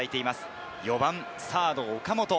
４番サード・岡本。